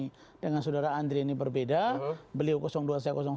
tidak ada yang mengintervensi